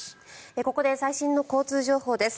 ここで最新の交通情報です。